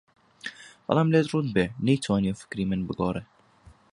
بەڵام لێت ڕوون بێ نەیتوانیوە فکری من بگۆڕێ